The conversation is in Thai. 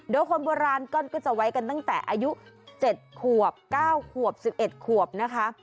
โดยคนโบราณก็จะไว้กันตั้งแต่อายุ๗ขวบ๙ขวบ๑๑ขวบนะคะ